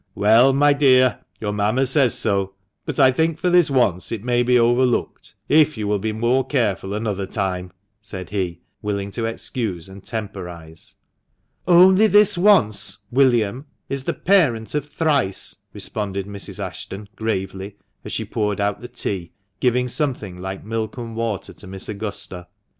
" Well, my dear, your mamma says so ; but I think for this once it may be overlooked, if you will be more careful another time," said he, willing to excuse and temporise. "'Only this once/ William, 'is the parent of thrice,'" responded Mrs. Ashton, gravely, as she poured out the tea, giving some thing like milk and water to Miss Augusta.